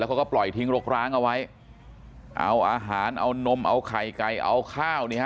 เขาก็ปล่อยทิ้งรกร้างเอาไว้เอาอาหารเอานมเอาไข่ไก่เอาข้าวเนี่ยฮะ